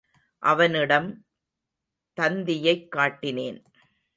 அவனிடம் தந்தியைக் காட்டினேன்.